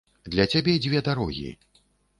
Для цябе дзве дарогі.